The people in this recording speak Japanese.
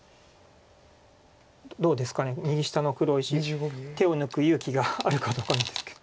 どうですか右下の黒石手を抜く勇気があるかどうかなんですけど。